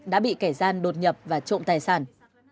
đã bị kẻ gian đột nhập và trộm tài sản